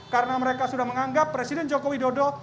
karena mereka sudah menganggap presiden joko widodo